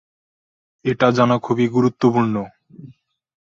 এটা জানা খুবই গুরুত্বপূর্ণ।